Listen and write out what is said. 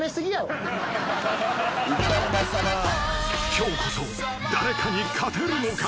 ［今日こそ誰かに勝てるのか？］